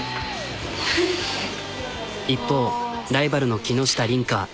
一方ライバルの木下鈴花。